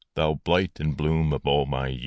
Thou blight and bloom of all my years